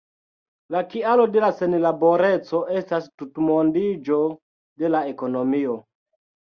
La kialo de senlaboreco estas tutmondiĝo de la ekonomio.